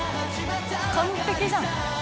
・完璧じゃん・